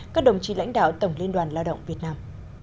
các đồng chí lãnh đạo tổng liên đoàn lao động việt nam